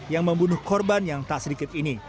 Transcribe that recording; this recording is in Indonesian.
yang membunuh korban yang tak sedikit ini